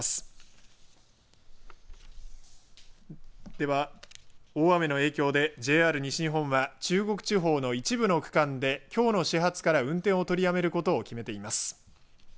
では大雨の影響でＪＲ西日本は中国地方の一部の区間できょうの始発から運転を取りやめることを決めています。